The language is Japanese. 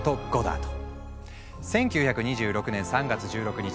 １９２６年３月１６日